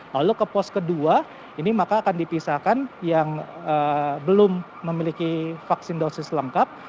lalu ke pos kedua ini maka akan dipisahkan yang belum memiliki vaksin dosis lengkap